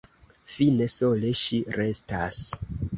Fine sole ŝi restas.